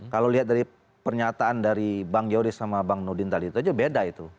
kalau lihat dari pernyataan dari bang yoris sama bang nudin tadi itu aja beda itu